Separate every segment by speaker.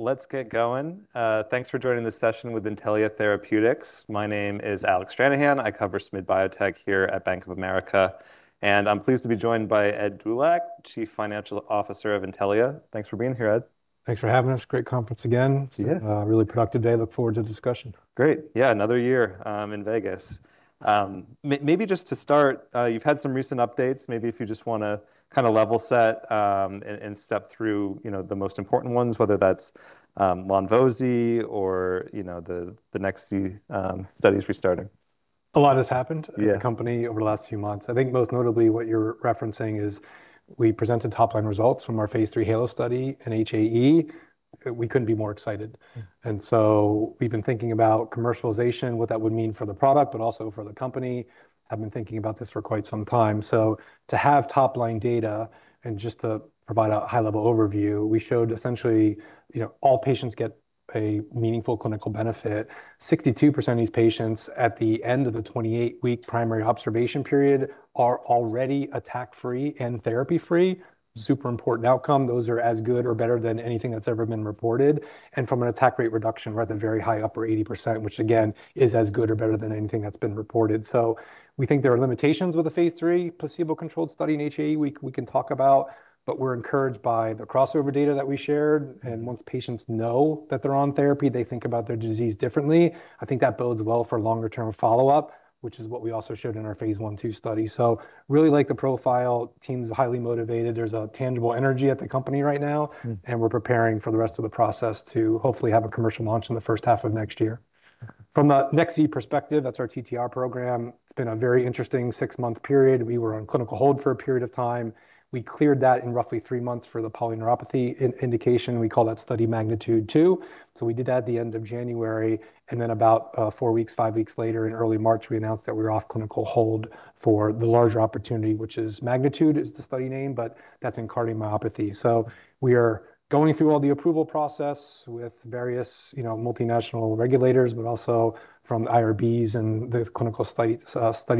Speaker 1: Let's get going. Thanks for joining this session with Intellia Therapeutics. My name is Alec Stranahan. I cover SMID biotech here at Bank of America, and I'm pleased to be joined by Edward Dulac, Chief Financial Officer of Intellia. Thanks for being here, Ed.
Speaker 2: Thanks for having us. Great conference again.
Speaker 1: Yeah.
Speaker 2: It's a really productive day. Look forward to the discussion.
Speaker 1: Great. Yeah, another year, in Vegas. Maybe just to start, you've had some recent updates. Maybe if you just wanna kinda level set, and step through, you know, the most important ones, whether that's, lonvo-z or, you know, the next few, studies we started.
Speaker 2: A lot has happened.
Speaker 1: Yeah
Speaker 2: At the company over the last few months. I think most notably what you're referencing is we presented top-line results from our phase III HAELO study in HAE. We couldn't be more excited.
Speaker 1: Yeah.
Speaker 2: We've been thinking about commercialization, what that would mean for the product, but also for the company. Have been thinking about this for quite some time. To have top-line data, and just to provide a high-level overview, we showed essentially, you know, all patients get a meaningful clinical benefit. 62% of these patients at the end of the 28-week primary observation period are already attack free and therapy free. Super important outcome. Those are as good or better than anything that's ever been reported. From an attack rate reduction, we're at the very high upper 80%, which again, is as good or better than anything that's been reported. We think there are limitations with the phase III placebo-controlled study in HAE we can talk about. We're encouraged by the crossover data that we shared. Once patients know that they're on therapy, they think about their disease differently. I think that bodes well for longer term follow-up, which is what we also showed in our phase I/II study. Really like the profile. Team's highly motivated. There's a tangible energy at the company right now. We're preparing for the rest of the process to hopefully have a commercial launch in the first half of next year. From a nex-z perspective, that's our TTR program, it's been a very interesting six-month period. We were on clinical hold for a period of time. We cleared that in roughly three months for the polyneuropathy indication, we call that study MAGNITUDE-2. We did that at the end of January, then about four weeks, five weeks later in early March, we announced that we were off clinical hold for the larger opportunity, which is MAGNITUDE is the study name, but that's in cardiomyopathy. We are going through all the approval process with various, you know, multinational regulators, but also from IRBs and the clinical study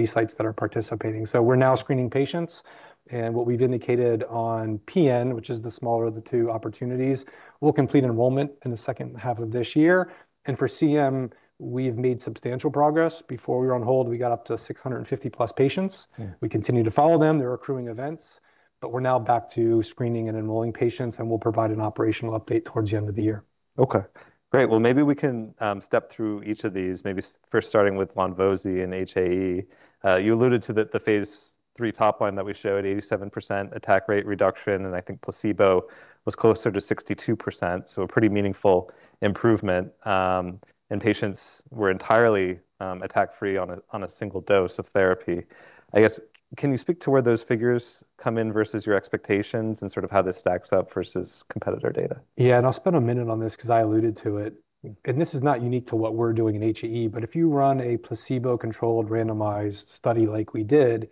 Speaker 2: sites that are participating. We're now screening patients, and what we've indicated on PN, which is the smaller of the two opportunities, we'll complete enrollment in the second half of this year. For CM, we've made substantial progress. Before we were on hold, we got up to 650+ patients.
Speaker 1: Yeah.
Speaker 2: We continue to follow them. There are accruing events, but we're now back to screening and enrolling patients, and we'll provide an operational update towards the end of the year.
Speaker 1: Okay. Great. Well, maybe we can step through each of these, first starting with lonvo-z and HAE. You alluded to the phase III top-line that we showed, 87% attack rate reduction, and I think placebo was closer to 62%, so a pretty meaningful improvement. And patients were entirely attack free on a single dose of therapy. I guess, can you speak to where those figures come in versus your expectations, and sort of how this stacks up versus competitor data?
Speaker 2: Yeah, I'll spend a minute on this 'cause I alluded to it. This is not unique to what we're doing in HAE, but if you run a placebo-controlled randomized study like we did,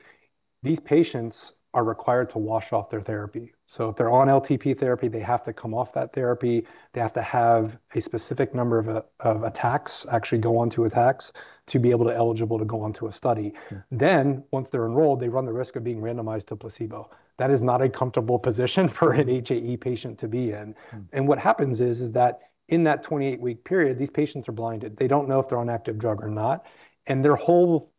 Speaker 2: these patients are required to wash off their therapy. If they're on LTP therapy, they have to come off that therapy, they have to have a specific number of attacks, actually go onto attacks, to be able to eligible to go onto a study.
Speaker 1: Yeah.
Speaker 2: Once they're enrolled, they run the risk of being randomized to placebo. That is not a comfortable position for an HAE patient to be in. What happens is that in that 28-week period, these patients are blinded. They don't know if they're on active drug or not, and their whole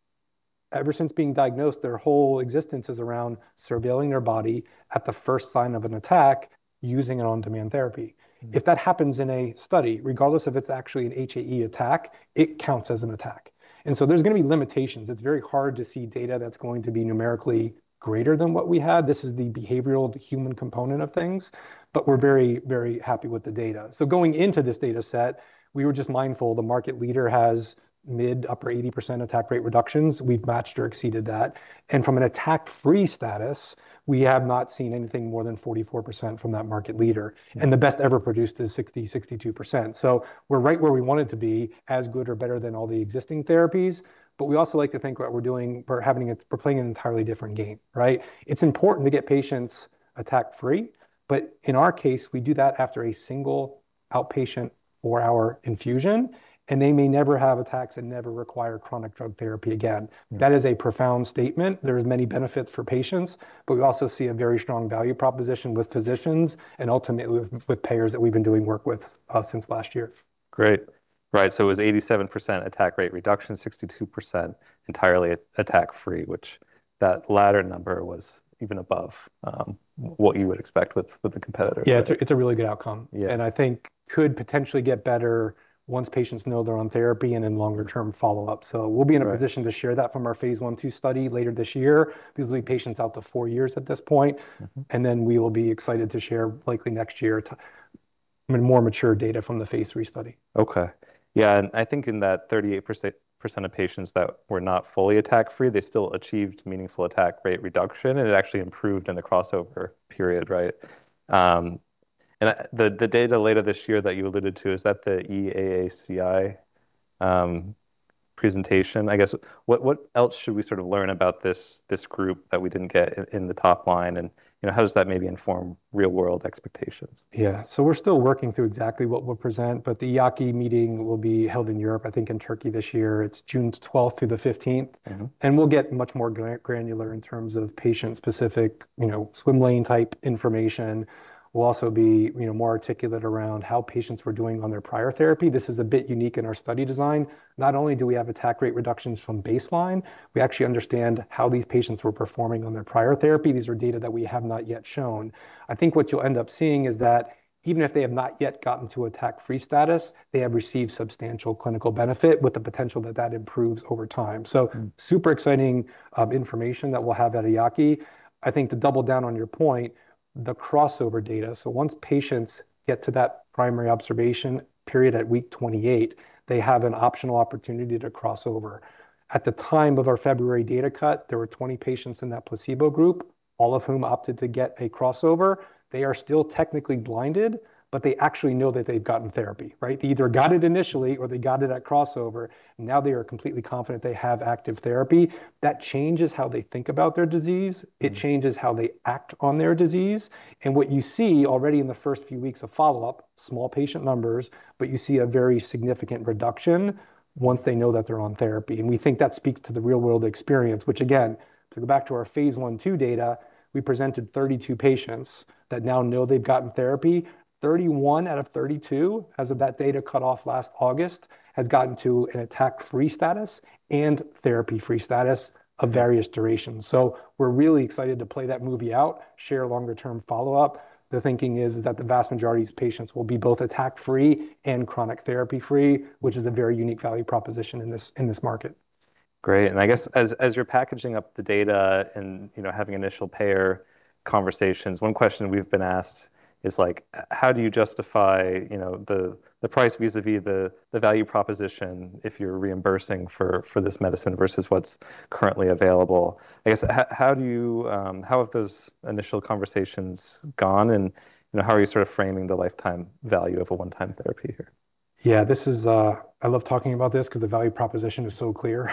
Speaker 2: ever since being diagnosed, their whole existence is around surveilling their body at the first sign of an attack using an on-demand therapy. If that happens in a study, regardless if it's actually an HAE attack, it counts as an attack. There's going to be limitations. It's very hard to see data that's going to be numerically greater than what we had. This is the behavioral, the human component of things, but we're very, very happy with the data. Going into this data set, we were just mindful the market leader has mid, upper 80% attack rate reductions. We've matched or exceeded that. From an attack-free status, we have not seen anything more than 44% from that market leader, and the best ever produced is 60%-62%. We're right where we wanted to be, as good or better than all the existing therapies, but we also like to think what we're doing, we're playing an entirely different game, right? It's important to get patients attack free, but in our case, we do that after a single outpatient four hour infusion, and they may never have attacks and never require chronic drug therapy again. That is a profound statement. There is many benefits for patients. We also see a very strong value proposition with physicians, and ultimately with payers that we've been doing work with since last year.
Speaker 1: Great. Right. It was 87% attack rate reduction, 62% entirely attack free, which that latter number was even above what you would expect with the competitor.
Speaker 2: Yeah, it's a really good outcome.
Speaker 1: Yeah.
Speaker 2: I think could potentially get better once patients know they're on therapy and in longer-term follow-up.
Speaker 1: Right
Speaker 2: A position to share that from our phase I/II study later this year. These will be patients out to four years at this point. Then we will be excited to share likely next year, I mean, more mature data from the phase III study.
Speaker 1: Okay. Yeah. I think in that 38% of patients that were not fully attack free, they still achieved meaningful attack rate reduction, and it actually improved in the crossover period, right? The data later this year that you alluded to, is that the EAACI presentation? What else should we sort of learn about this group that we didn't get in the top line, and, you know, how does that maybe inform real world expectations?
Speaker 2: Yeah. We're still working through exactly what we'll present, but the EAACI meeting will be held in Europe, I think in Turkey this year. It's June 12 through the 15.
Speaker 1: Yeah.
Speaker 2: We'll get much more granular in terms of patient specific, you know, swim lane type information. We'll also be, you know, more articulate around how patients were doing on their prior therapy. This is a bit unique in our study design. Not only do we have attack rate reductions from baseline, we actually understand how these patients were performing on their prior therapy. These are data that we have not yet shown. I think what you'll end up seeing is that even if they have not yet gotten to attack-free status, they have received substantial clinical benefit with the potential that that improves over time. Super exciting information that we'll have at EAACI. I think to double down on your point, the crossover data. Once patients get to that primary observation period at week 28, they have an optional opportunity to cross over. At the time of our February data cut, there were 20 patients in that placebo group, all of whom opted to get a crossover. They are still technically blinded, but they actually know that they've gotten therapy, right? They either got it initially or they got it at crossover, and now they are completely confident they have active therapy. That changes how they think about their disease. It changes how they act on their disease. What you see already in the first few weeks of follow-up, small patient numbers, but you see a very significant reduction once they know that they're on therapy, and we think that speaks to the real world experience, which again, to go back to our phase I/II data, we presented 32 patients that now know they've gotten therapy. 31 out of 32, as of that data cut off last August, has gotten to an attack free status and therapy free status of various durations. We're really excited to play that movie out, share longer term follow-up. The thinking is that the vast majority of these patients will be both attack free and chronic therapy free, which is a very unique value proposition in this, in this market.
Speaker 1: Great. I guess as you're packaging up the data and, you know, having initial payer conversations, one question we've been asked is like, how do you justify, you know, the price vis-a-vis the value proposition if you're reimbursing for this medicine versus what's currently available? I guess, how do you, how have those initial conversations gone and, you know, how are you sort of framing the lifetime value of a one-time therapy here?
Speaker 2: This is, I love talking about this 'cause the value proposition is so clear.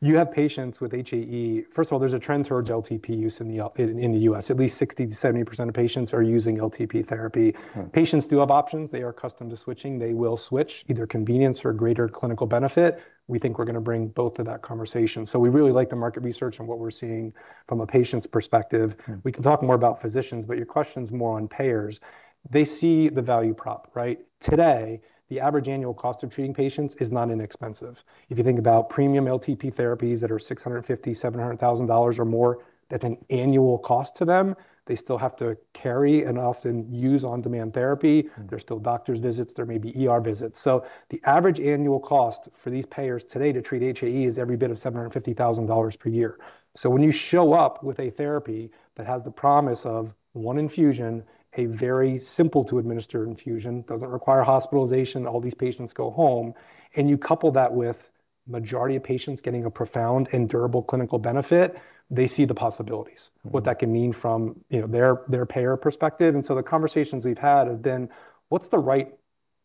Speaker 2: You have patients with HAE. First of all, there's a trend towards LTP use in the U.S. At least 60%-70% of patients are using LTP therapy. Patients do have options. They are accustomed to switching. They will switch, either convenience or greater clinical benefit. We think we're gonna bring both to that conversation. We really like the market research and what we're seeing from a patient's perspective. We can talk more about physicians, but your question's more on payers. They see the value prop, right? Today, the average annual cost of treating patients is not inexpensive. If you think about premium LTP therapies that are $650,000- $700,000 or more, that's an annual cost to them. They still have to carry and often use on-demand therapy. There's still doctor's visits, there may be ER visits. The average annual cost for these payers today to treat HAE is every bit of $750,000 per year. When you show up with a therapy that has the promise of one infusion, a very simple to administer infusion, doesn't require hospitalization, all these patients go home, and you couple that with majority of patients getting a profound and durable clinical benefit, they see the possibilities. What that can mean from, you know, their payer perspective. The conversations we've had have been, what's the right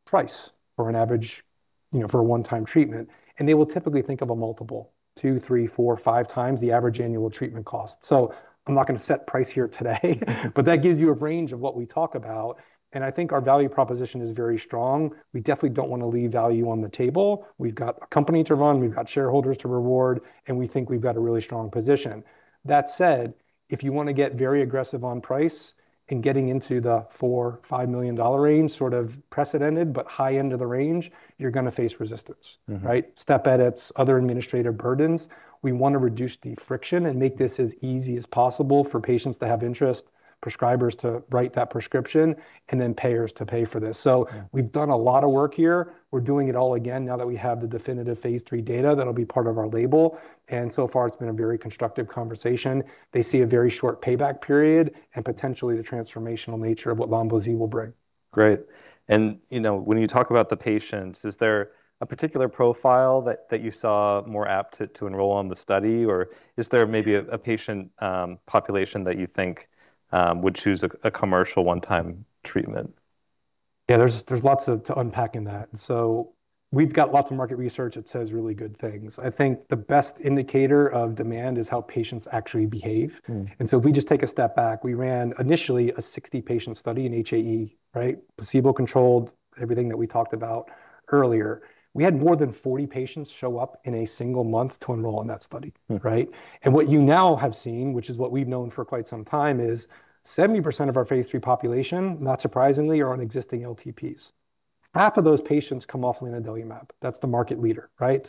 Speaker 2: price for an average, you know, for a one-time treatment? They will typically think of a multiple, two, three, four, 5x the average annual treatment cost. I'm not gonna set price here today. That gives you a range of what we talk about, and I think our value proposition is very strong. We definitely don't wanna leave value on the table. We've got a company to run, we've got shareholders to reward, and we think we've got a really strong position. That said, if you wanna get very aggressive on price and getting into the $4 million, $5 million range, sort of precedented, but high end of the range, you're gonna face resistance. Right? Step edits, other administrative burdens. We wanna reduce the friction and make this as easy as possible for patients to have interest, prescribers to write that prescription, and then payers to pay for this. We've done a lot of work here. We're doing it all again now that we have the definitive phase III data that'll be part of our label. So far it's been a very constructive conversation. They see a very short payback period and potentially the transformational nature of what lonvo-z will bring.
Speaker 1: Great. You know, when you talk about the patients, is there a particular profile that you saw more apt to enroll on the study or is there maybe a patient population that you think would choose a commercial one-time treatment?
Speaker 2: Yeah, there's lots of to unpack in that. We've got lots of market research that says really good things. I think the best indicator of demand is how patients actually behave. If we just take a step back, we ran initially a 60-patient study in HAE, right? Placebo controlled everything that we talked about earlier. We had more than 40 patients show up in a single month to enroll in that study. Right? What you now have seen, which is what we've known for quite some time, is 70% of our phase III population, not surprisingly, are on existing LTPs. Half of those patients come off lanadelumab. That's the market leader, right?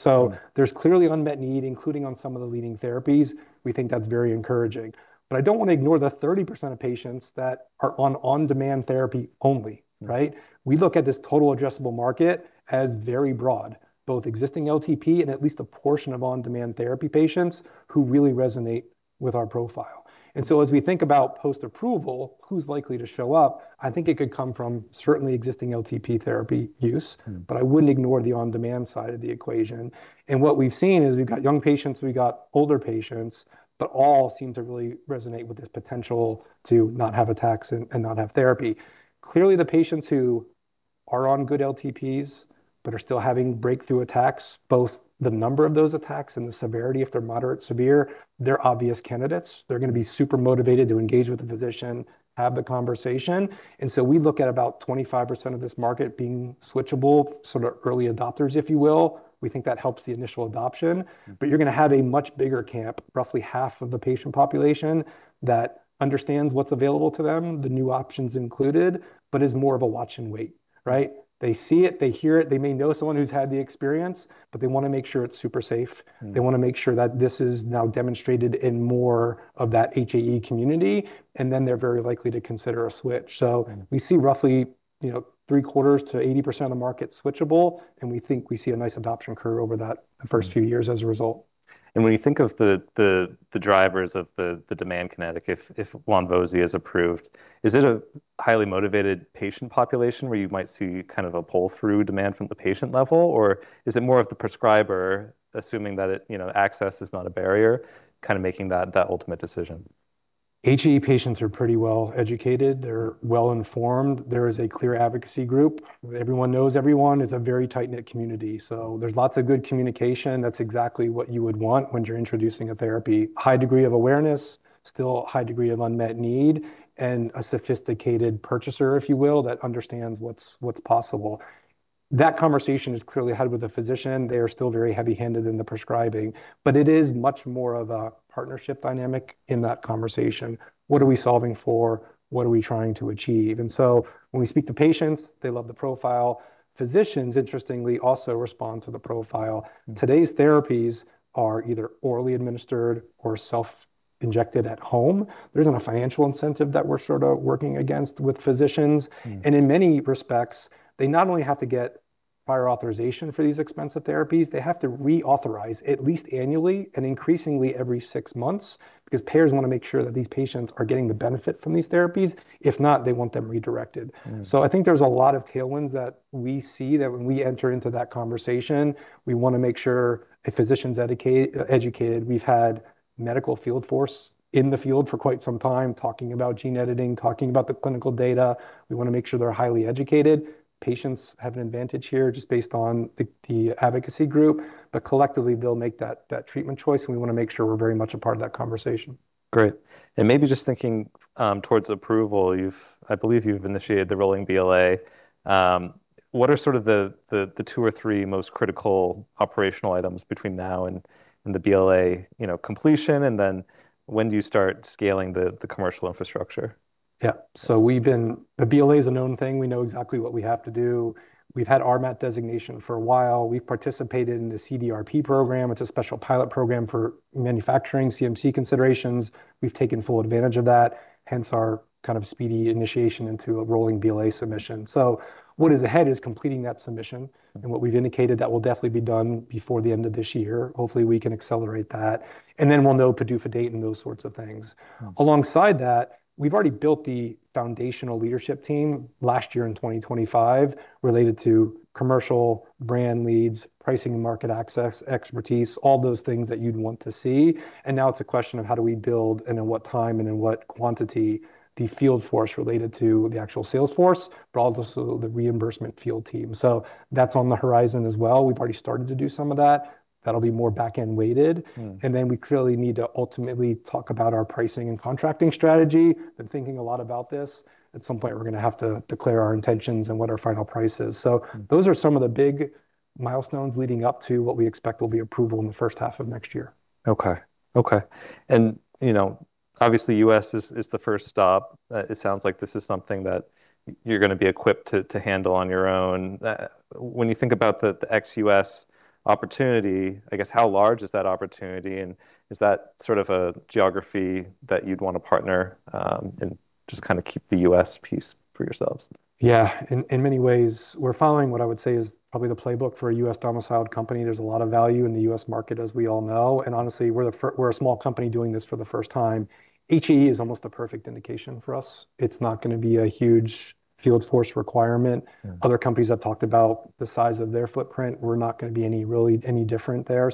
Speaker 2: There's clearly unmet need, including on some of the leading therapies. We think that's very encouraging. I don't wanna ignore the 30% of patients that are on on-demand therapy only, right? We look at this total addressable market as very broad, both existing LTP and at least a portion of on-demand therapy patients who really resonate with our profile. As we think about post-approval, who's likely to show up, I think it could come from certainly existing LTP therapy use. I wouldn't ignore the on-demand side of the equation. What we've seen is we've got young patients, we've got older patients, but all seem to really resonate with this potential to not have attacks and not have therapy. Clearly, the patients who are on good LTPs, but are still having breakthrough attacks, both the number of those attacks and the severity. If they're moderate-severe, they're obvious candidates. They're going to be super motivated to engage with the physician, have the conversation. We look at about 25% of this market being switchable, sort of early adopters, if you will. We think that helps the initial adoption. You're gonna have a much bigger camp, roughly half of the patient population, that understands what's available to them, the new options included, but is more of a watch and wait, right? They see it, they hear it, they may know someone who's had the experience, but they wanna make sure it's super safe. They wanna make sure that this is now demonstrated in more of that HAE community. They're very likely to consider a switch. we see roughly, you know, three quarters to 80% of market switchable, and we think we see a nice adoption curve over that first few years as a result.
Speaker 1: When you think of the drivers of the demand kinetic, if lonvo-z is approved, is it a highly motivated patient population where you might see kind of a pull-through demand from the patient level? Or is it more of the prescriber assuming that it, you know, access is not a barrier, kind of making that ultimate decision?
Speaker 2: HAE patients are pretty well educated. They're well-informed. There is a clear advocacy group where everyone knows everyone. It's a very tight-knit community, so there's lots of good communication. That's exactly what you would want when you're introducing a therapy. High degree of awareness, still high degree of unmet need, and a sophisticated purchaser, if you will, that understands what's possible. That conversation is clearly had with the physician. They are still very heavy-handed in the prescribing, but it is much more of a partnership dynamic in that conversation. What are we solving for? What are we trying to achieve? When we speak to patients, they love the profile. Physicians, interestingly, also respond to the profile. Today's therapies are either orally administered or self-injected at home. There isn't a financial incentive that we're sort of working against with physicians. In many respects, they not only have to get prior authorization for these expensive therapies, they have to reauthorize at least annually and increasingly every six months because payers wanna make sure that these patients are getting the benefit from these therapies. If not, they want them redirected. I think there's a lot of tailwinds that we see that when we enter into that conversation, we want to make sure a physician's educated. We've had medical field force in the field for quite some time, talking about gene editing, talking about the clinical data. We want to make sure they're highly educated. Patients have an advantage here just based on the advocacy group. Collectively, they'll make that treatment choice, and we want to make sure we're very much a part of that conversation.
Speaker 1: Great. Maybe just thinking towards approval, I believe you've initiated the rolling BLA. What are sort of the two or three most critical operational items between now and the BLA, you know, completion? When do you start scaling the commercial infrastructure?
Speaker 2: Yeah. The BLA is a known thing. We know exactly what we have to do. We've had RMAT designation for a while. We've participated in the CDRP program. It's a special pilot program for manufacturing CMC considerations. We've taken full advantage of that, hence our kind of speedy initiation into a rolling BLA submission. What is ahead is completing that submission. What we've indicated, that will definitely be done before the end of this year. Hopefully, we can accelerate that, then we'll know PDUFA date and those sorts of things. Alongside that, we've already built the foundational leadership team last year in 2025 related to commercial brand leads, pricing and market access, expertise, all those things that you'd want to see. Now it's a question of how do we build and in what time and in what quantity the field force related to the actual sales force, but also the reimbursement field team. That's on the horizon as well. We've already started to do some of that. That'll be more back-end weighted. We clearly need to ultimately talk about our pricing and contracting strategy. I'm thinking a lot about this. At some point, we're gonna have to declare our intentions and what our final price is. Those are some of the big milestones leading up to what we expect will be approval in the first half of next year.
Speaker 1: Okay. Okay. You know, obviously, U.S. is the first stop. It sounds like this is something that you're going to be equipped to handle on your own. When you think about the ex-U.S. opportunity, I guess how large is that opportunity, and is that sort of a geography that you'd want to partner, and just kind of keep the U.S. piece for yourselves?
Speaker 2: Yeah. In many ways, we're following what I would say is probably the playbook for a U.S.-domiciled company. There's a lot of value in the U.S. market, as we all know. Honestly, we're a small company doing this for the first time. HAE is almost a perfect indication for us. It's not gonna be a huge field force requirement. Other companies have talked about the size of their footprint. We're not gonna be any really any different there.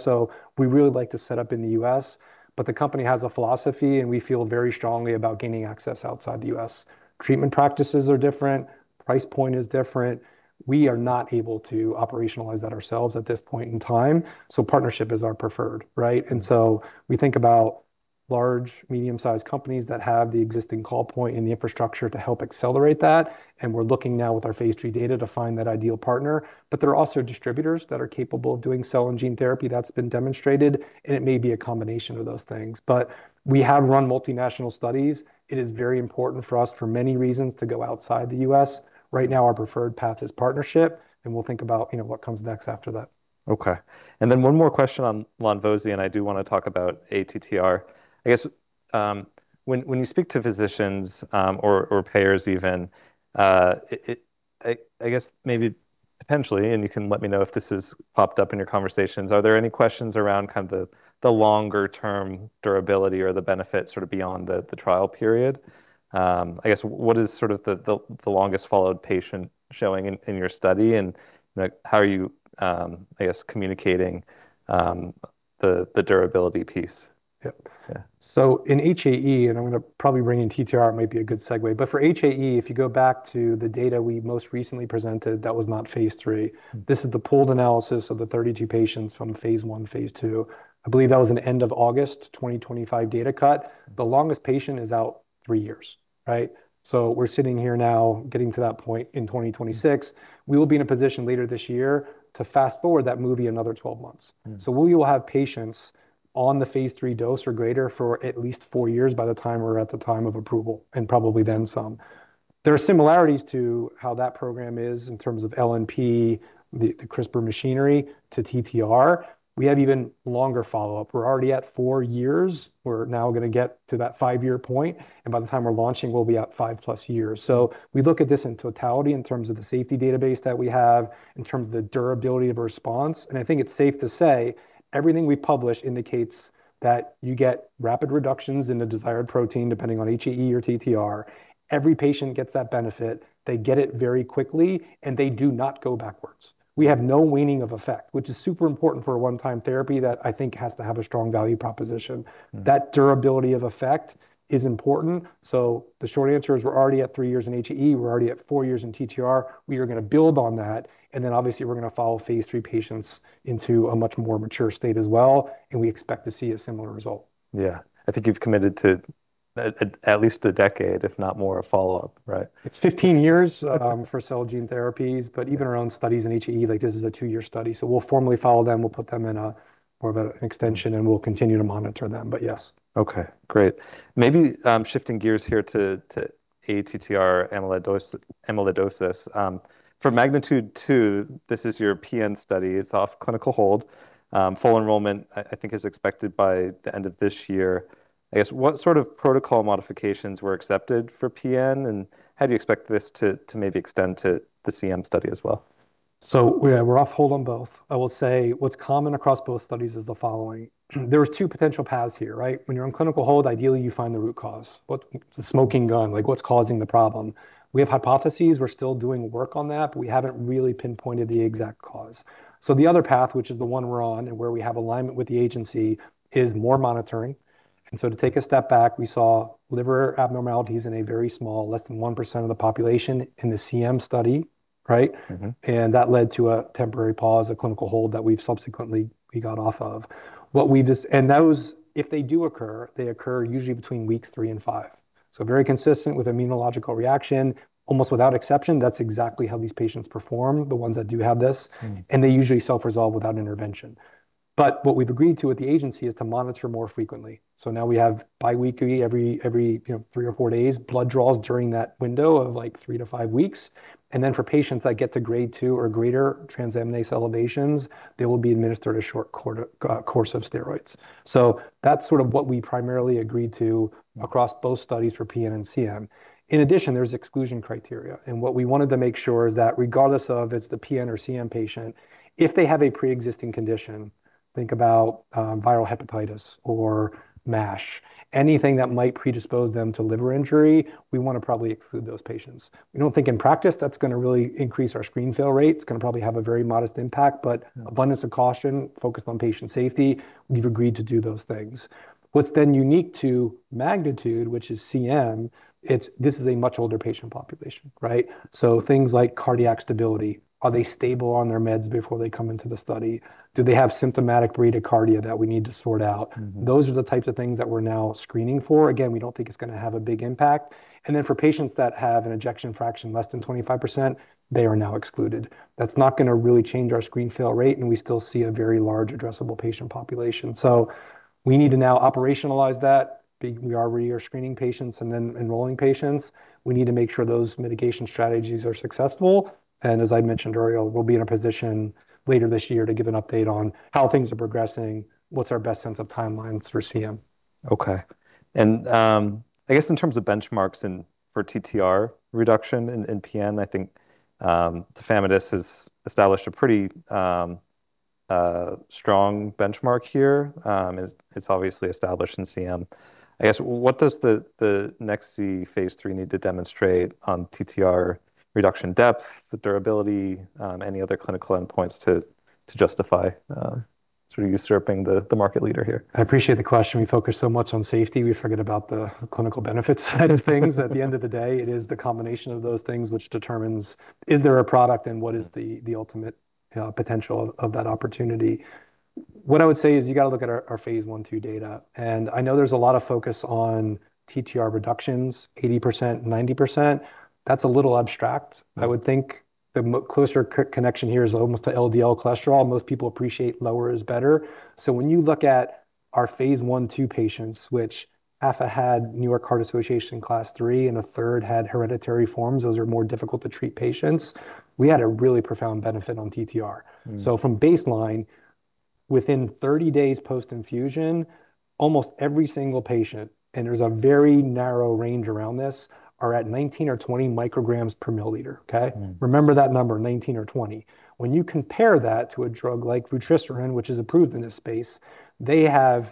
Speaker 2: We really like to set up in the U.S., but the company has a philosophy, and we feel very strongly about gaining access outside the U.S. Treatment practices are different. Price point is different. We are not able to operationalize that ourselves at this point in time, so partnership is our preferred, right? We think about large, medium-sized companies that have the existing call point and the infrastructure to help accelerate that, and we're looking now with our phase III data to find that ideal partner. There are also distributors that are capable of doing cell and gene therapy that's been demonstrated, and it may be a combination of those things. We have run multinational studies. It is very important for us for many reasons to go outside the U.S. Right now, our preferred path is partnership, and we'll think about, you know, what comes next after that.
Speaker 1: Okay. One more question on lonvo-z, and I do wanna talk about ATTR. I guess, when you speak to physicians, or payers even, I guess maybe potentially, and you can let me know if this has popped up in your conversations, are there any questions around kind of the longer term durability or the benefit sort of beyond the trial period? I guess what is sort of the longest followed patient showing in your study, and, like, how are you, I guess communicating the durability piece.
Speaker 2: Yep.
Speaker 1: Yeah.
Speaker 2: In HAE, I'm gonna probably bring in TTR, it might be a good segue, for HAE, if you go back to the data we most recently presented, that was not phase III. This is the pooled analysis of the 32 patients from phase I, phase II. I believe that was an end of August 2025 data cut. The longest patient is out three years, right? We're sitting here now getting to that point in 2026. We will be in a position later this year to fast-forward that movie another 12 months. We will have patients on the phase III dose or greater for at least four years by the time we're at the time of approval, and probably then some. There are similarities to how that program is in terms of LNP, the CRISPR machinery to TTR. We have even longer follow-up. We're already at four years. We're now going to get to that five year point, and by the time we're launching, we'll be at 5+ years. We look at this in totality in terms of the safety database that we have, in terms of the durability of a response, and I think it's safe to say everything we publish indicates that you get rapid reductions in the desired protein, depending on HAE or TTR. Every patient gets that benefit. They get it very quickly, and they do not go backwards. We have no waning of effect, which is super important for a one-time therapy that I think has to have a strong value proposition. That durability of effect is important. The short answer is we're already at three years in HAE, we're already at four years in TTR. We are gonna build on that, and then obviously we're gonna follow phase III patients into a much more mature state as well, and we expect to see a similar result.
Speaker 1: Yeah. I think you've committed to at least a decade, if not more, of follow-up, right?
Speaker 2: It's 15 years for cell gene therapies, but even our own studies in HAE, like this is a two-year study, so we'll formally follow them. We'll put them in a more of an extension, and we'll continue to monitor them, but yes.
Speaker 1: Okay, great. Maybe shifting gears here to ATTR amyloidosis. For MAGNITUDE-2, this is your PN study. It's off clinical hold. Full enrollment I think is expected by the end of this year. I guess what sort of protocol modifications were accepted for PN, and how do you expect this to maybe extend to the CM study as well?
Speaker 2: Yeah, we're off hold on both. I will say what's common across both studies is the following. There are two potential paths here, right? When you're on clinical hold, ideally you find the root cause. What's the smoking gun? Like, what's causing the problem? We have hypotheses. We're still doing work on that. We haven't really pinpointed the exact cause. The other path, which is the one we're on and where we have alignment with the agency, is more monitoring. To take a step back, we saw liver abnormalities in a very small, less than 1% of the population in the CM study, right? That led to a temporary pause, a clinical hold that we've subsequently, we got off of. Those, if they do occur, they occur usually between weeks three and five. Very consistent with immunological reaction, almost without exception, that's exactly how these patients perform, the ones that do have this. They usually self-resolve without intervention. What we've agreed to with the agency is to monitor more frequently. Now we have bi-weekly, you know, every three or four days, blood draws during that window of like three-five weeks, and then for patients that get to grade two or greater transaminase elevations, they will be administered a short course of steroids. That's sort of what we primarily agreed to across both studies for PN and CM. In addition, there's exclusion criteria, and what we wanted to make sure is that regardless of it's the PN or CM patient, if they have a preexisting condition, think about viral hepatitis or MASH, anything that might predispose them to liver injury, we wanna probably exclude those patients. We don't think in practice that's gonna really increase our screen fail rate. It's gonna probably have a very modest impact.
Speaker 1: Yeah
Speaker 2: abundance of caution, focused on patient safety, we've agreed to do those things. What's unique to MAGNITUDE, which is CM, this is a much older patient population, right? Things like cardiac stability, are they stable on their meds before they come into the study? Do they have symptomatic bradycardia that we need to sort out? Those are the types of things that we're now screening for. Again, we don't think it's gonna have a big impact. For patients that have an ejection fraction less than 25%, they are now excluded. That's not gonna really change our screen fail rate, and we still see a very large addressable patient population. We need to now operationalize that. We are re-screening patients and then enrolling patients. We need to make sure those mitigation strategies are successful. As I mentioned earlier, we'll be in a position later this year to give an update on how things are progressing, what's our best sense of timelines for CM.
Speaker 1: Okay. I guess in terms of benchmarks and for TTR reduction in PN, I think tafamidis has established a pretty strong benchmark here. It's obviously established in CM. I guess what does nex-z phase III need to demonstrate on TTR reduction depth, the durability, any other clinical endpoints to justify sort of usurping the market leader here?
Speaker 2: I appreciate the question. We focus so much on safety, we forget about the clinical benefits side of things. At the end of the day, it is the combination of those things which determines is there a product and what is the ultimate potential of that opportunity. What I would say is you gotta look at our phase I/II data, and I know there's a lot of focus on TTR reductions, 80%-90%. That's a little abstract.
Speaker 1: Yeah.
Speaker 2: I would think the closer connection here is almost to LDL cholesterol. Most people appreciate lower is better. When you look at our phase I/II patients, which half had New York Heart Association Class 3 and a third had hereditary forms, those are more difficult to treat patients, we had a really profound benefit on TTR. From baseline, within 30 days post-infusion, almost every single patient, and there's a very narrow range around this, are at 19 or 20 µg/mL, okay. Remember that number, 19 or 20. When you compare that to a drug like vutrisiran, which is approved in this space, 50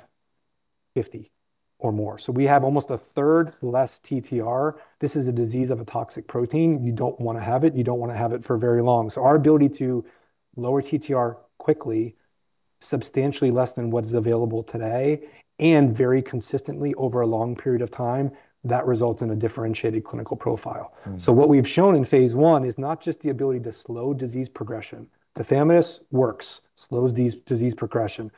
Speaker 2: or more. We have almost a third less TTR. This is a disease of a toxic protein. You don't wanna have it, you don't wanna have it for very long. Our ability to lower TTR quickly, substantially less than what is available today, and very consistently over a long period of time, that results in a differentiated clinical profile. What we've shown in phase I is not just the ability to slow disease progression. Tafamidis works, slows disease progression.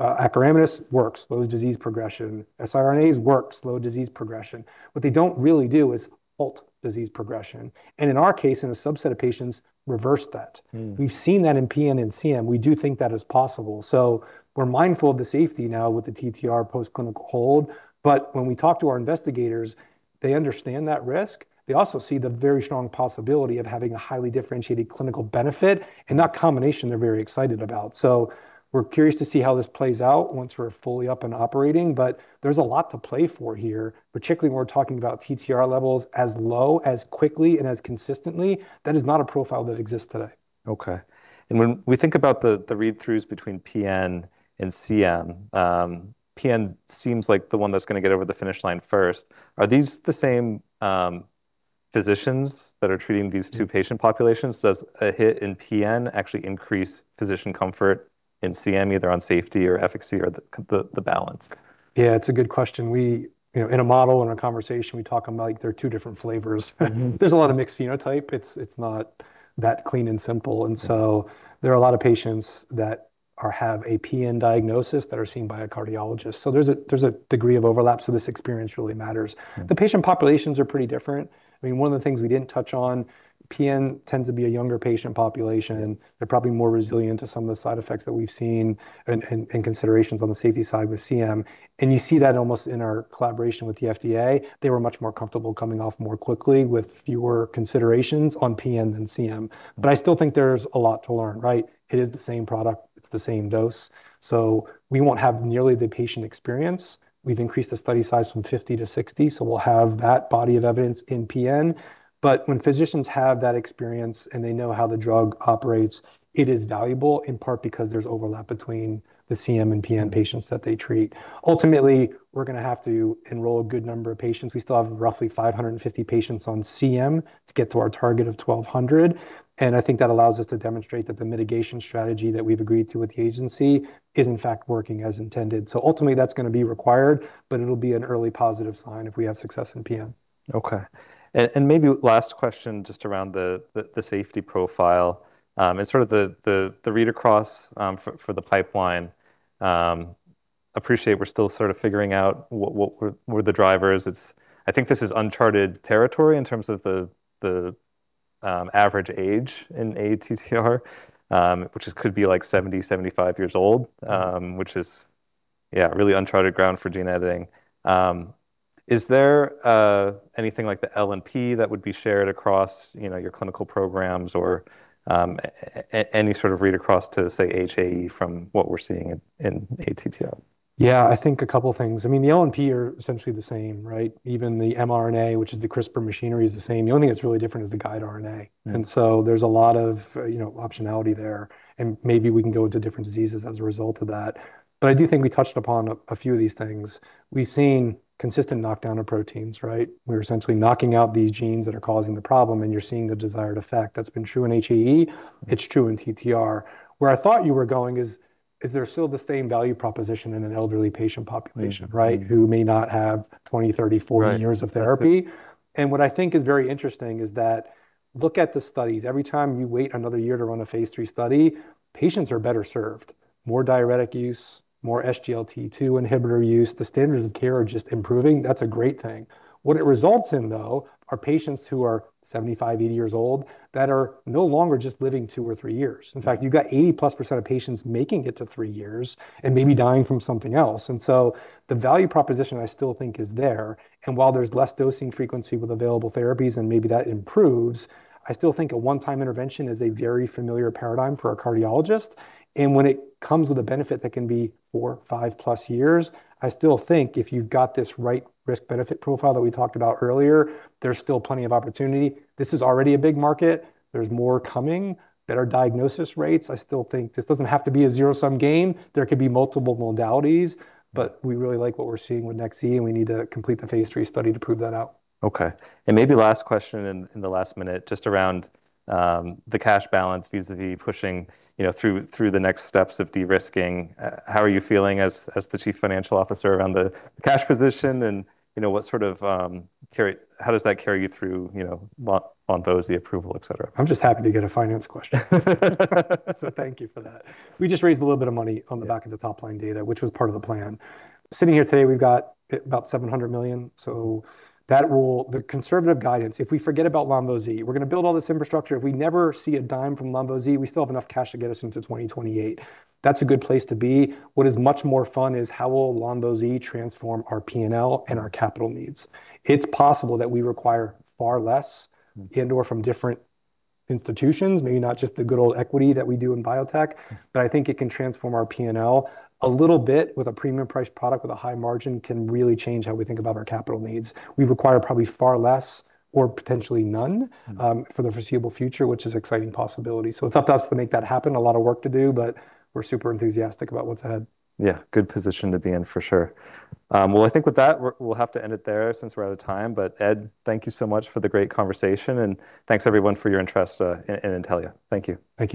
Speaker 2: Acoramidis works, slows disease progression. siRNA work, slow disease progression. What they don't really do is halt disease progression, and in our case, in a subset of patients, reverse that. We've seen that in PN and CM. We do think that is possible. We're mindful of the safety now with the TTR post-clinical hold, but when we talk to our investigators, they understand that risk. They also see the very strong possibility of having a highly differentiated clinical benefit, and that combination they're very excited about. We're curious to see how this plays out once we're fully up and operating, but there's a lot to play for here, particularly when we're talking about TTR levels as low, as quickly and as consistently. That is not a profile that exists today.
Speaker 1: Okay. When we think about the read-throughs between PN and CM, PN seems like the one that's gonna get over the finish line first. Are these the same physicians that are treating these two patient populations? Does a hit in PN actually increase physician comfort in CM, either on safety or efficacy or the balance?
Speaker 2: Yeah, it's a good question. We, you know, in a model, in a conversation, we talk about like they're two different flavors. There's a lot of mixed phenotype. It's not that clean and simple. There are a lot of patients that have a PN diagnosis that are seen by a cardiologist, so there's a degree of overlap, so this experience really matters. The patient populations are pretty different. I mean, one of the things we didn't touch on, PN tends to be a younger patient population. They're probably more resilient to some of the side effects that we've seen and considerations on the safety side with CM, and you see that almost in our collaboration with the FDA. They were much more comfortable coming off more quickly with fewer considerations on PN than CM. I still think there's a lot to learn, right? It is the same product. It's the same dose. We won't have nearly the patient experience. We've increased the study size from 50-60, we'll have that body of evidence in PN. When physicians have that experience and they know how the drug operates, it is valuable, in part because there's overlap between the CM and PN patients that they treat. Ultimately, we're gonna have to enroll a good number of patients. We still have roughly 550 patients on CM to get to our target of 1,200, and I think that allows us to demonstrate that the mitigation strategy that we've agreed to with the agency is in fact working as intended. Ultimately, that's gonna be required, but it'll be an early positive sign if we have success in PN.
Speaker 1: Okay. Maybe last question just around the safety profile, and sort of the read across for the pipeline. Appreciate we're still sort of figuring out what were the drivers. I think this is uncharted territory in terms of the average age in ATTR, which could be like 70, 75 years old, which is, yeah, really uncharted ground for gene editing. Is there anything like the LNP that would be shared across, you know, your clinical programs or any sort of read across to, say, HAE from what we're seeing in ATTR?
Speaker 2: I think a couple things. I mean, the LNP are essentially the same, right? Even the mRNA, which is the CRISPR machinery, is the same. The only thing that's really different is the guide RNA. There's a lot of, you know, optionality there, and maybe we can go into different diseases as a result of that. I do think we touched upon a few of these things. We've seen consistent knockdown of proteins, right? We're essentially knocking out these genes that are causing the problem, and you're seeing the desired effect. That's been true in HAE. It's true in TTR. Where I thought you were going is there still the same value proposition in an elderly patient population?
Speaker 1: Mm. Mm
Speaker 2: right, who may not have 20, 30, 40 years.
Speaker 1: Right
Speaker 2: Of therapy? What I think is very interesting is that look at the studies. Every time you wait another year to run a phase III study, patients are better served. More diuretic use, more SGLT2 inhibitor use. The standards of care are just improving. That's a great thing. What it results in, though, are patients who are 75, 80 years old that are no longer just living two or three years. In fact, you've got 80%+ of patients making it to three years and maybe dying from something else. The value proposition I still think is there, and while there's less dosing frequency with available therapies and maybe that improves, I still think a one-time intervention is a very familiar paradigm for a cardiologist. When it comes with a benefit that can be 4, 5+ years, I still think if you've got this right risk-benefit profile that we talked about earlier, there's still plenty of opportunity. This is already a big market. There's more coming. Better diagnosis rates. I still think this doesn't have to be a zero-sum game. There could be multiple modalities, but we really like what we're seeing with nex-z, and we need to complete the phase III study to prove that out.
Speaker 1: Okay. Maybe last question in the last minute, just around the cash balance vis-à-vis pushing, you know, through the next steps of de-risking. How are you feeling as the Chief Financial Officer around the cash position and, you know, what sort of how does that carry you through, you know, lonvo-z approval, et cetera?
Speaker 2: I'm just happy to get a finance question. Thank you for that. We just raised a little bit of money on the back of the top-line data, which was part of the plan. Sitting here today, we've got about $700 million. The conservative guidance, if we forget about lonvo-z, we're gonna build all this infrastructure. If we never see a dime from lonvo-z, we still have enough cash to get us into 2028. That's a good place to be. What is much more fun is how will lonvo-z transform our P&L and our capital needs. It's possible that we require far less. And/or from different institutions, maybe not just the good old equity that we do in biotech. I think it can transform our P&L. A little bit with a premium price product with a high margin can really change how we think about our capital needs. We require probably far less or potentially none- For the foreseeable future, which is exciting possibility. It's up to us to make that happen. A lot of work to do, but we're super enthusiastic about what's ahead.
Speaker 1: Yeah, good position to be in for sure. Well, I think with that we'll have to end it there since we're out of time. Ed, thank you so much for the great conversation, and thanks everyone for your interest in Intellia. Thank you.
Speaker 2: Thank you.